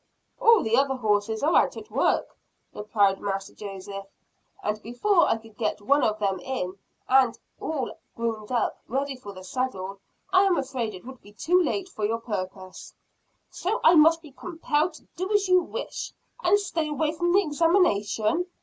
"All the other horses are out at work," replied Master Joseph; "and before I could get one of them in, and at all groomed up, ready for the saddle, I am afraid it would be too late for your purpose." "So I must be compelled to do as you wish, and stay away from the examination?"